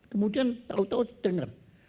kemudian tahu tahu saya mendengar